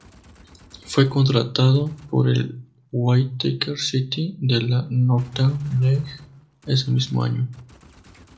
Fue contratado por el Waitakere City de la Northern League ese mismo año.